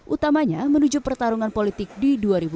utamanya menuju pertarungan politik di dua ribu dua puluh